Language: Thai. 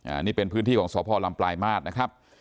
อันนี้เป็นพื้นที่ของสพลำปลายมาตรนะครับ